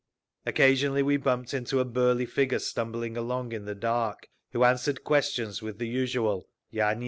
Occasionally we bumped into a burly figure stumbling along in the dark, who answered questions with the usual, _"Ya nieznayu."